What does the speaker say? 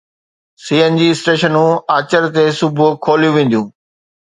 سي N G اسٽيشنون آچر جي صبح کوليون وينديون